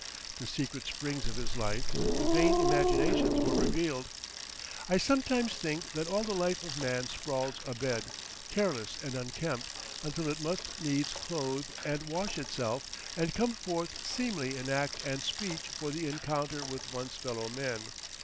The secret springs of his life, the vain imaginations were revealed. I sometimes think that all the life of man sprawls abed, careless and unkempt, until it must needs clothe and wash itself and come forth seemly in act and speech for the encounter with one's fellow men.